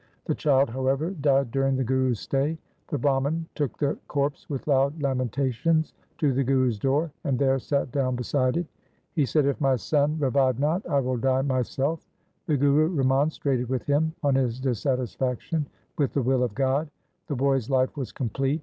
The child, however, died during the Guru's stay. The Brahman took the corpse with loud lamentations to the Guru's door, and there sat down beside it. He said, ' If my son revive not, I will die myself.' The Guru remonstrated with him on his dissatisfaction with the will of God. ' The boy's life was complete.